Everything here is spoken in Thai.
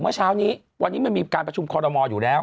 เมื่อเช้านี้วันนี้มันมีการประชุมคอรมอลอยู่แล้ว